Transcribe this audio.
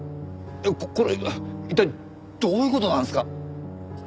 これ一体どういう事なんですか？